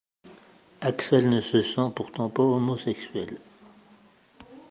Axel ne se sent pourtant pas homosexuel.